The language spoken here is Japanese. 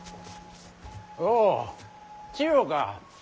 おう千代か。